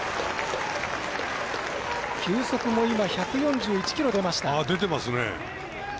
球速も１４１キロ出ました。